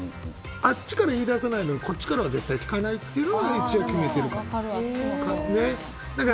あっちから言い出さないのにこっちからは聞かないって一応決めてるかな。